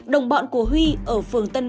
đồng bọn của huy ở phường tân hòa